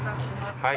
◆はい。